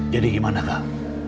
jadi gimana kak